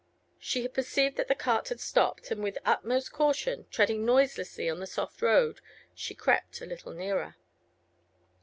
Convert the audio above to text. She had perceived that the cart had stopped, and with utmost caution, treading noiselessly on the soft road, she crept a little nearer.